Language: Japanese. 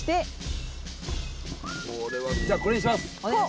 じゃこれにします。